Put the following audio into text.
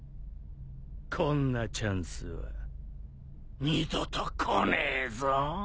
こんなチャンスは二度と来ねえぞ。